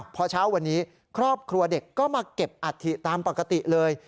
พอเช้าวันนี้ครอบครัวเด็กก็มาเก็บอัฐิตามปกติเลย